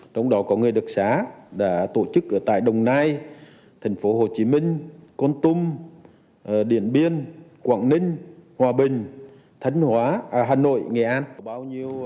trong đó có người được đặc sá đã tổ chức ở tại đồng nai tp hcm con tum điện biên quảng ninh hòa bình thánh hóa hà nội nghệ an